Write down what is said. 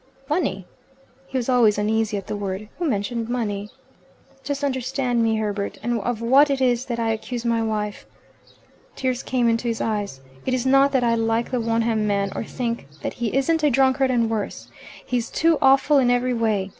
"Money?" He was always uneasy at the word. "Who mentioned money?" "Just understand me, Herbert, and of what it is that I accuse my wife." Tears came into his eyes. "It is not that I like the Wonham man, or think that he isn't a drunkard and worse. He's too awful in every way.